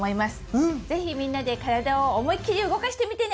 是非みんなで体を思いっきり動かしてみてね！